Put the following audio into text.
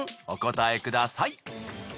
お答えください。